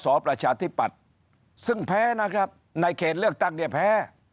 ประชาธิปัตย์ซึ่งแพ้นะครับในเขตเลือกตั้งเนี่ยแพ้